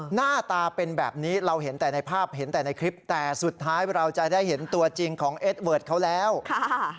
หน้าตาเป็นแบบนี้เราเห็นแต่ในภาพเห็นแต่ในคลิปแต่สุดท้ายเราจะได้เห็นตัวจริงของเอสเวิร์ดเขาแล้วค่ะ